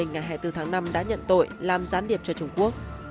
ngày hai mươi bốn tháng năm đã nhận tội làm gián điệp cho trung quốc